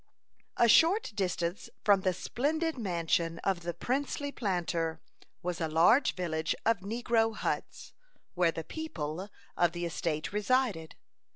A short distance from the splendid mansion of the princely planter was a large village of negro huts, where the "people" of the estate resided.